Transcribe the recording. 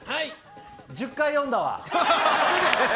１０回呼んだわ。